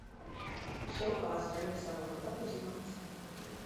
The show paused during the summer for up to two months.